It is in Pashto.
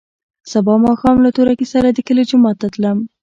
سبا ماښام له تورکي سره د کلي جومات ته تلم.